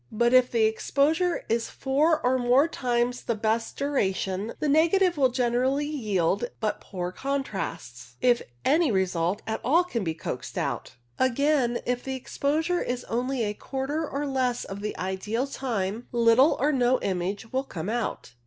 But if the exposure is four or more times the best duration, the negative will generally yield but poor contrasts, if any result at all can be coaxed out. Again, if the exposure is only a quarter or less of the ideal time, little or no image will come out.